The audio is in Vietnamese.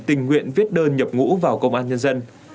tình nguyện viết đơn nhập ngũ vào công an nhân dân